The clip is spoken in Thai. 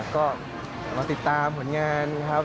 ก็มาติดตามผลงานครับ